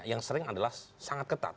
yang sering adalah sangat ketat